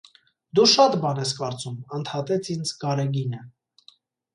- Դու շատ բան ես կարծում,- ընդհատեց ինձ Գարեգինը: